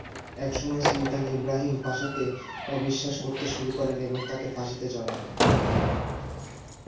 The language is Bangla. একসময় সুলতান ইব্রাহিম পাশাকে অবিশ্বাস করতে শুরু করেন এবং তাঁকে ফাঁসিতে চড়ান।